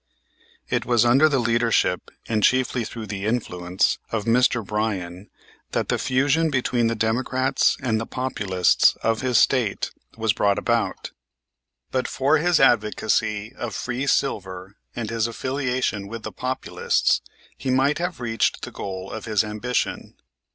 It was under the leadership and chiefly through the influence of Mr. Bryan that the fusion between the Democrats and the Populists of his State was brought about. But for his advocacy of Free Silver and his affiliation with the Populists, he might have reached the goal of his ambition.